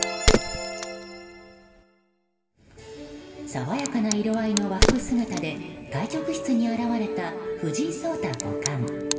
爽やかな色合いの和服姿で対局室に現れた藤井聡太五冠。